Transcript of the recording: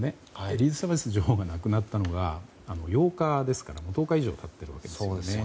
エリザベス女王が亡くなったのが８日ですから１０日以上経っているわけですね。